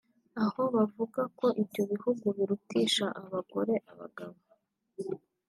aho bavuga ko ibyo bihugu birutisha abagore abagabo